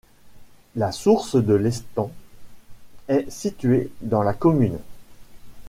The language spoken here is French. La source de l'Estang est située dans la commune.